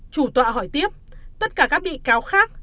chủ tọa hỏi tiếp tất cả các bị cáo khác